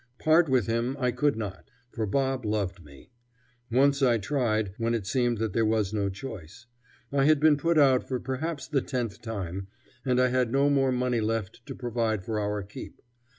Part with him I could not; for Bob loved me. Once I tried, when it seemed that there was no choice. I had been put out for perhaps the tenth time, and I had no more money left to provide for our keep.